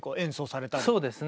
そうですね。